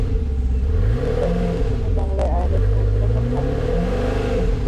এর একটা দিক ছিল বাংলায় আইনের সংকলন ও ভাষ্য রচনা করা।